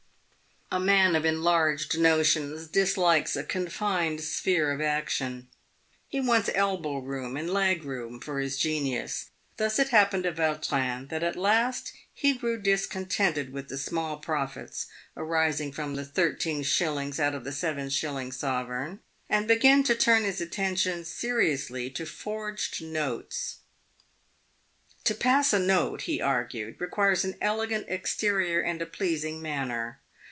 A man of enlarged notions dislikes a confined sphere of action. He wants elbow room and leg room for his genius. • Thus it hap pened to Vautrin that at last he grew discontented with the small profits arising from the thirteen shillings out of the seven shilling sovereign, and began to turn his attention seriously to forged notes. " To pass a note," he argued, " requires an elegant exterior and a pleasing manner.